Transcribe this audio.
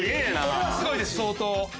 これはすごいです相当。